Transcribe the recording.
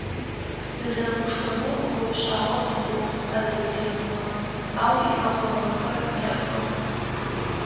Тызэрэгушхонэу гъогу шӏагъо къыкӏугъ адыгэ литературэм, ау ихэхъоныгъэхэр къеӏыхыгъ.